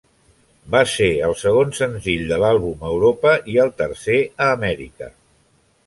Va ser el segon senzill de l'àlbum a Europa, i el tercer a Amèrica.